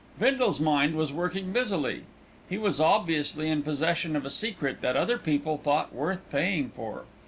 Bindle's mind was working busily. He was obviously in possession of a secret that other people thought worth paying for.